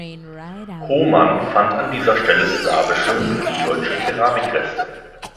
Hohmann fand an dieser Stelle slawische und frühdeutsche Keramikreste.